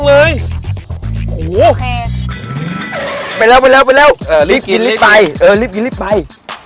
เรียบกินเรียบไป